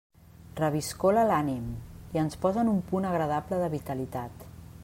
Reviscola l'ànim i ens posa en un punt agradable de vitalitat.